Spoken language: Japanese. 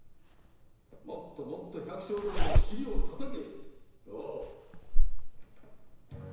もっともっと百姓どもの尻を叩け！